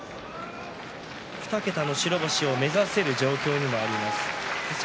２桁の白星を目指せる状況にもあります。